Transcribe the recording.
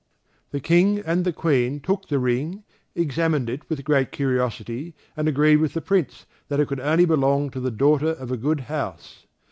The King and the Queen took the ring, examined it with great curiosity, and agreed with the Prince that it could only belong to the daughter of a good house.